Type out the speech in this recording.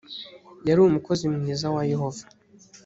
yari umukozi mwiza wa yehova